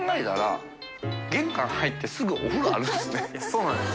そうなんです。